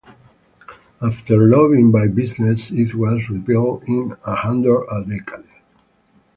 After lobbying by business it was repealed in under a decade.